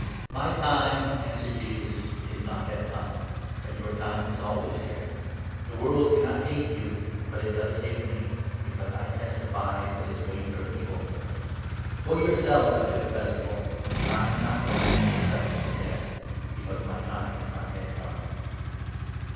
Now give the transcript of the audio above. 5 "My time," answered Jesus, "is not come yet, but your 6 time is always here. The world cannot hate you, but it does 7 hate me, because I testify that its ways are evil. Go yourselves 8 up to the Festival ; I am not going to this Festival yet, because my time has not yet come."